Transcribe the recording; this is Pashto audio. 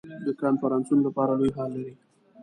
د کنفرانسونو لپاره لوی هال لري.